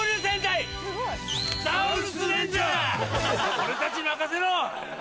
俺たちに任せろ！